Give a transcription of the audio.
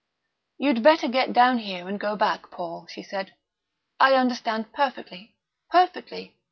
"You'd better get down here and go back, Paul," she said. "I understand perfectly perfectly.